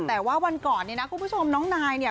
แต่ว่าวันก่อนเนี่ยนะคุณผู้ชมน้องนายเนี่ย